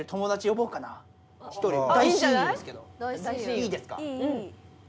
いいですか？